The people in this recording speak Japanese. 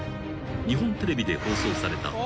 ［日本テレビで放送された『投稿！